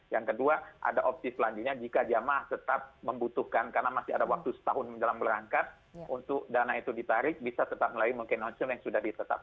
yang kedua ada opsi selanjutnya jika jamaah tetap membutuhkan karena masih ada waktu setahun menjelang berangkat untuk dana itu ditarik bisa tetap melalui mungkin langsung yang sudah ditetapkan